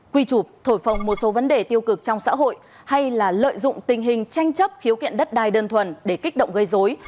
quy chụp thổi phòng một số vấn đề tiêu cực trong xã hội hay là lợi dụng tình hình tranh chấp khiếu kiện đất đai đơn thuần để kích động gây dối